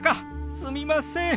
すみません。